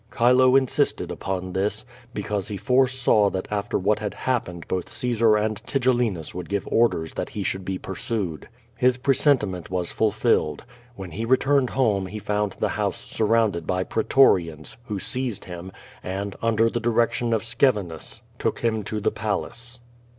Chilo insisted upon this, because he foresaw that after what had happened both Caesar anfl^ Tigellinus would give orders that he should be pursued. His presentiment was fulfilled. When he returned home he found the house surrounded by pretorians, who seized him, and, under the direction of Scevinus, took him to the palace.